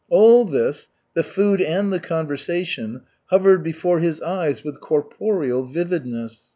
All this, the food and the conversation, hovered before his eyes with corporeal vividness.